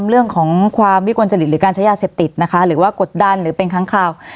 เรื่องของความวิกลจริตหรือการใช้ยาเสพติดนะคะหรือว่ากดดันหรือเป็นครั้งคราว